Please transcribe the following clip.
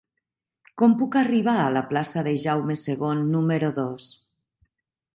Com puc arribar a la plaça de Jaume II número dos?